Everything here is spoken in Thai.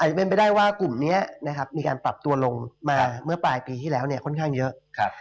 จะเป็นไปได้ว่ากลุ่มนี้นะครับมีการปรับตัวลงมาเมื่อปลายปีที่แล้วเนี่ยค่อนข้างเยอะ